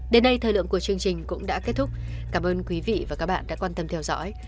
đến đây thời lượng của chương trình cũng đã kết thúc cảm ơn quý vị và các bạn đã quan tâm theo dõi